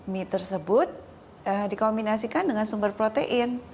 mie tersebut dikombinasikan dengan sumber protein